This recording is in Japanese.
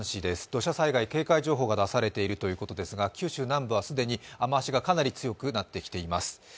土砂災害警戒情報が出されているということですが、九州南部は既に雨脚がかなり強くなっています。